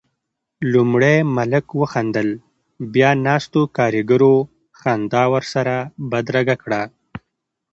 لومړی ملک وخندل، بيا ناستو کاريګرو خندا ورسره بدرګه کړه.